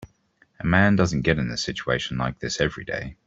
A man doesn't get in a situation like this every day.